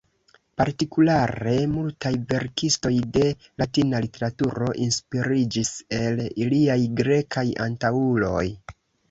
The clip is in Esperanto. Partikulare, multaj verkistoj de Latina literaturo inspiriĝis el iliaj grekaj antaŭuloj.